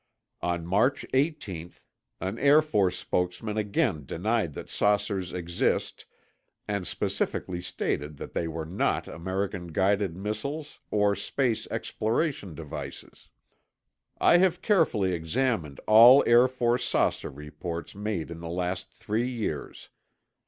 On March 18, an Air Force spokesman again denied that saucers exist and specifically stated that they were not American guided missiles or space exploration devices. I have carefully examined all Air Force saucer reports made in the last three years.